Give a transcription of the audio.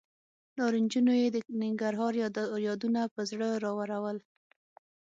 نارنجونو یې د ننګرهار یادونه پر زړه راورول.